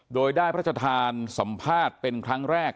โดยได้พระชธานสัมภาษณ์เป็นครั้งแรก